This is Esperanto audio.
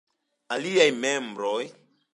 Aliaj membroj.